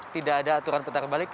tidak ada aturan putar balik